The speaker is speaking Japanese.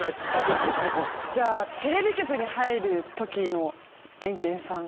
じゃあテレビ局に入る時のエンケンさん。